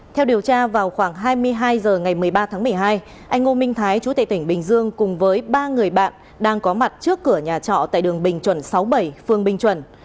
theo điều tra vào khoảng hai mươi hai h ngày một mươi ba tháng một mươi hai anh ngô minh thái chú tệ tỉnh bình dương cùng với ba người bạn đang có mặt trước cửa nhà trọ tại đường bình chuẩn sáu mươi bảy phương bình chuẩn